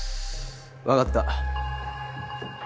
分かった。